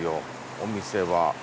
お店は。